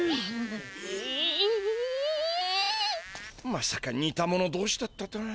まさかにたものどうしだったとは。